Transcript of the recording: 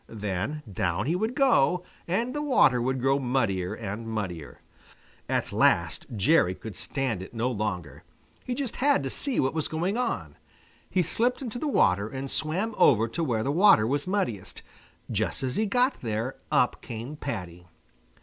Then down he would go, and the water would grow muddier and muddier. At last Jerry could stand it no longer. He just had to see what was going on. He slipped into the water and swam over to where the water was muddiest. Just as he got there up came Paddy.